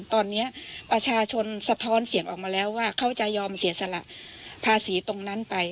ตอนนี้ประชาชนสะท้อนเสียงออกมาแล้วว่าเขาจะยอมเสียสละภาษีตรงนั้นไป